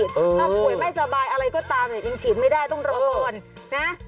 ถ้าป่วยไม่สบายอะไรก็ตามเนี่ยยังฉีดไม่ได้ต้องรอก่อนนะ